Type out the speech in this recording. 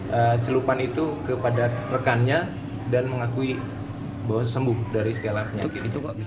mencelupkan itu kepada rekannya dan mengakui bahwa sembuh dari segala penyakit